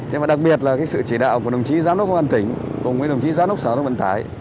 thế và đặc biệt là sự chỉ đạo của đồng chí giám đốc bản tỉnh cùng với đồng chí giám đốc xã đông vận thái